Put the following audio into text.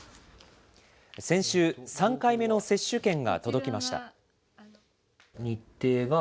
先週、３回目の接種券が届きました。